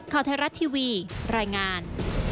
ข่าวไทยรัฐทีวีรายงาน